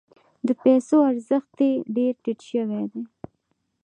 د پیسو ارزښت یې ډیر ټیټ شوی دی.